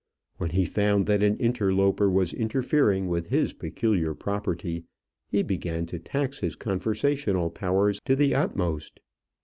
When he found that an interloper was interfering with his peculiar property, he began to tax his conversational powers to the utmost.